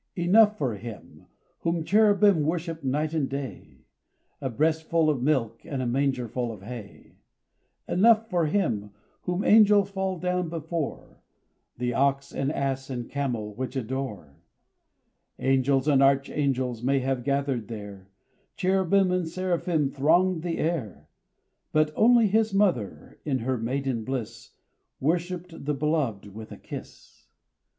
Enough for Him, whom cherubim Worship night and day, A breastful of milk And a mangerful of hay; Enough for Him, whom angels Fall down before, The ox and ass and camel Which adore. [2031 RAINBOW GOLD Angels and archangels May have gathered there, Cherubim and seraphim Thronged the air; But only His mother In her maiden bliss Worshipped the Beloved With a kiss.